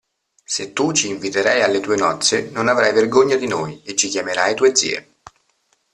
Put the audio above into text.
Se tu ci inviterai alle tue nozze, non avrai vergogna di noi e ci chiamerai tue zie.